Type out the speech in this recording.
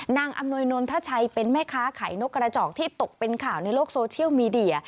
อำนวยนนทชัยเป็นแม่ค้าขายนกกระจอกที่ตกเป็นข่าวในโลกโซเชียลมีเดีย